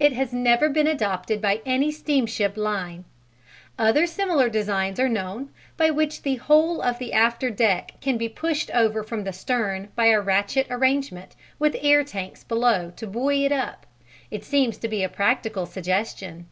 It has never been adopted by any steamship line. Other similar designs are known, by which the whole of the after deck can be pushed over from the stern by a ratchet arrangement, with air tanks below to buoy it up: it seems to be a practical suggestion.